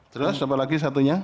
terus apa lagi satunya